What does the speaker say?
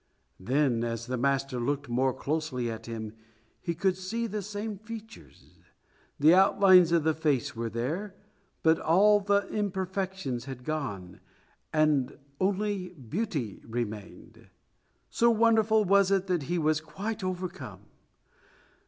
Then as the master looked more closely at him he could see the same features. The outlines of the face were there, but all the imperfections had gone, and only beauty remained. So wonderful was it that he was quite overcome.